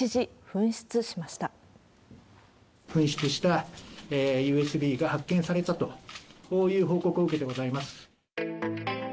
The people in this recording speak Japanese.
紛失したＵＳＢが発見されたという報告を受けてございます。